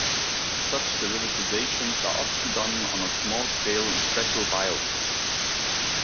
Such derivatizations are often done on a small scale in special vials.